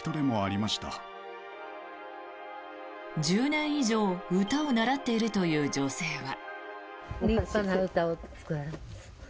１０年以上歌を習っているという女性は。